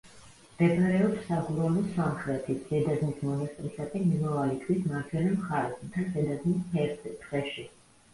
მდებარეობს საგურამოს სამხრეთით, ზედაზნის მონასტრისაკენ მიმავალი გზის მარჯვენა მხარეს, მთა ზედაზნის ფერდზე, ტყეში.